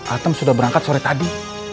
atem sudah berangkat sore tadi